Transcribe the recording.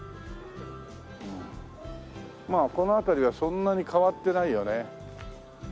まあこの辺りはそんなに変わってないよね。